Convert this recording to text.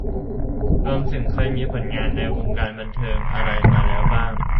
รวมถึงเคยมีผลงานในวงการบันเทิงอะไรมาแล้วบ้าง